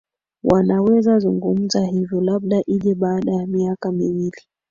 wanaweza zungumza hivyo labda ije baada ya miaka miwili